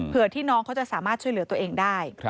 เพื่อที่น้องเขาจะสามารถช่วยเหลือตัวเองได้